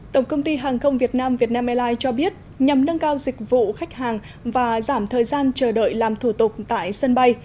tổng công ty hàng không việt nam vietnam airlines cho biết nhằm nâng cao dịch vụ khách hàng và giảm thời gian chờ đợi làm thủ tục tại sân bay